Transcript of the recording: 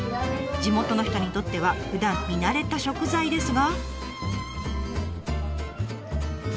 地元の人にとってはふだん見慣れた食材ですが。